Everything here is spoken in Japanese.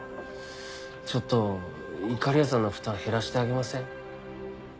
ちょっといかりやさんの負担減らしてあげません？